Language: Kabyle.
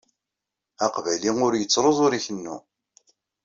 Aqbayli ur yettṛuẓ ur ikennu.